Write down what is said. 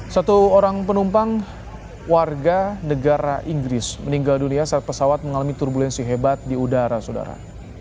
satu orang penumpang warga negara inggris meninggal dunia saat pesawat mengalami turbulensi hebat di udara saudara